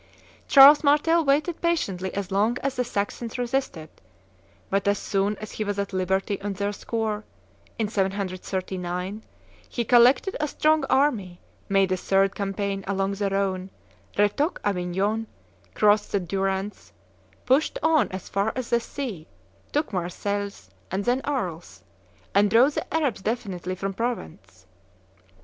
Charles Martel waited patiently as long as the Saxons resisted; but as soon as he was at liberty on their score, in 739, he collected a strong army, made a third campaign along the Rhone, retook Avignon, crossed the Durance, pushed on as far as the sea, took Marseilles, and then Arles, and drove the Arabs definitively from Provence.